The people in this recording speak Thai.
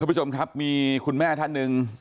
ผู้ชมครับมีคุณแม่ท่านหนึ่ง